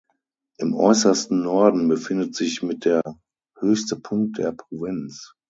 Im äußersten Norden befindet sich mit der höchste Punkt der Provinz.